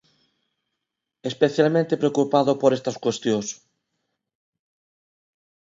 Especialmente preocupado por estas cuestións.